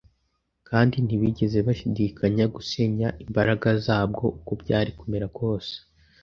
kandi ntibigeze bashidikanya gusenya imbaraga zabwo uko byari kumera kose.